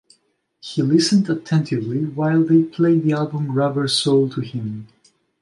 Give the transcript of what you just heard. He listened attentively while they played the album "Rubber Soul" to him.